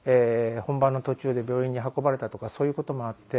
本番の途中で病院に運ばれたとかそういう事もあって。